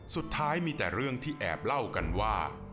สุดท้ายมีแต่เรื่องที่แอบเล่ากันว่า